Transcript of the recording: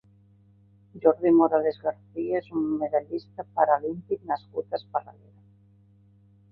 Jordi Morales Garcia és un medallista paralímpic nascut a Esparreguera.